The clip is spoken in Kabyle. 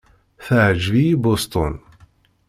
Teɛjeb-iyi Boston.